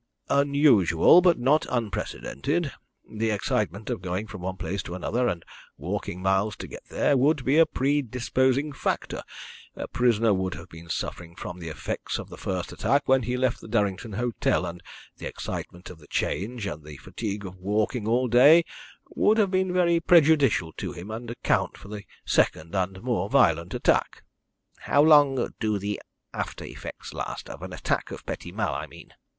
"Unusual, but not unprecedented. The excitement of going from one place to another, and walking miles to get there, would be a predisposing factor. Prisoner would have been suffering from the effects of the first attack when he left the Durrington hotel, and the excitement of the change and the fatigue of walking all day would have been very prejudicial to him, and account for the second and more violent attack." "How long do the after effects last of an attack of petit mal, I mean."